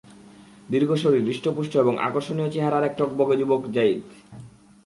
দীর্ঘ শরীর, হৃষ্ট-পুষ্ট এবং আকর্ষণীয় চেহারার এক টগবগে যুবক যারীদ।